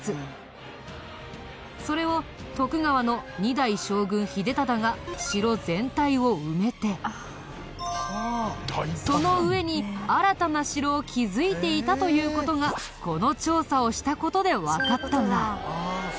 それを徳川の２代将軍秀忠が城全体を埋めてその上に新たな城を築いていたという事がこの調査をした事でわかったんだ。